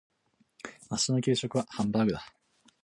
明日の給食はハンバーグだ。